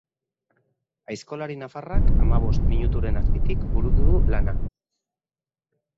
Aizkolari nafarrak hamabost minuturen azpitik burutu du lana.